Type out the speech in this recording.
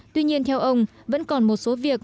tuy nhiên theo ông vẫn còn một số việc